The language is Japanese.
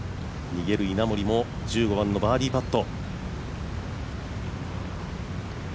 逃げる稲森も１５番のバーディーパット。